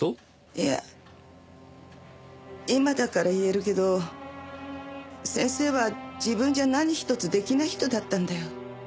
いや今だから言えるけど先生は自分じゃ何ひとつ出来ない人だったんだよ。